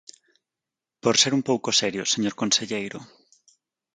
Por ser un pouco serios, señor conselleiro.